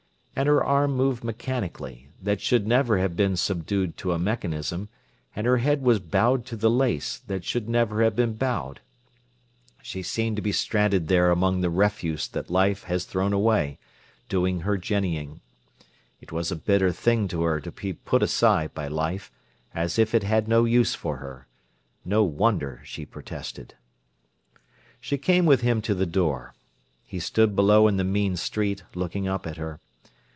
And her arm moved mechanically, that should never have been subdued to a mechanism, and her head was bowed to the lace, that never should have been bowed. She seemed to be stranded there among the refuse that life has thrown away, doing her jennying. It was a bitter thing to her to be put aside by life, as if it had no use for her. No wonder she protested. She came with him to the door. He stood below in the mean street, looking up at her.